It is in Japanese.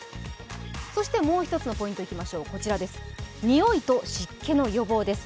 もう１つのポイントいきましょう、においと湿気の予防です。